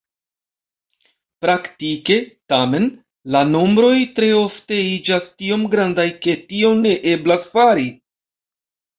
Praktike, tamen, la nombroj tre ofte iĝas tiom grandaj, ke tion ne eblas fari.